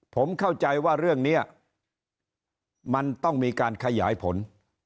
ผมเข้าใจว่าเรื่องนี้มันต้องมีการขยายผล